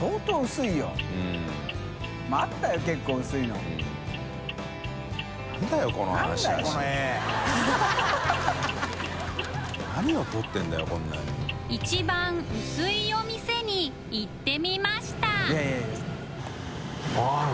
祕貳薄いお店に行ってみましたい